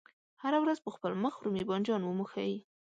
هره ورځ په خپل مخ رومي بانجان وموښئ.